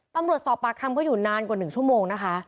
ปำรวจสอบปากคำก็อยู่นานกว่าหนึ่งชั่วโมงนะคะ